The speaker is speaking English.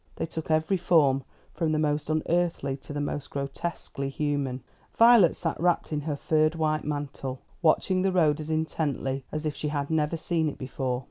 They took every form, from the most unearthly to the most grotesquely human. Violet sat wrapped in her furred white mantle, watching the road as intently as if she had never seen it before.